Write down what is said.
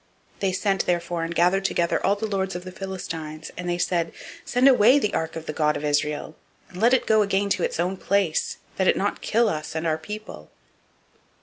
005:011 They sent therefore and gathered together all the lords of the Philistines, and they said, Send away the ark of the God of Israel, and let it go again to its own place, that it not kill us and our people.